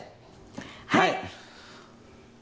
はい！